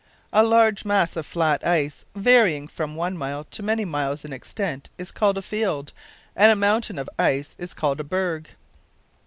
A large mass of flat ice, varying from one mile to many miles in extent, is called a "field," and a mountain of ice is called a "berg."